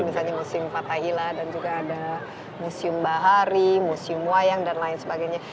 misalnya museum fathahila dan juga ada museum bahari museum wayang dan lain sebagainya